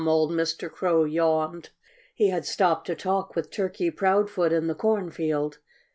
old Mr. Crow yawned. He had stopped to talk with Turkey Proudfoot in the cornfield.